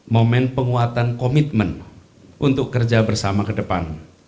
momen penguatan komitmen untuk kerja bersama ke depan